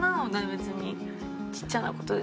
別に。